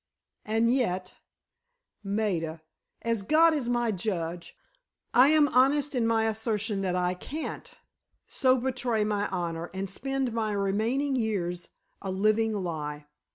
And yet, Maida, as God is my judge, I am honest in my assertion that I can't so betray my honor and spend my remaining years a living lie.